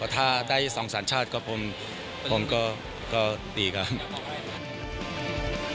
ถ้าได้สองสัญชาติผมก็ดีครับ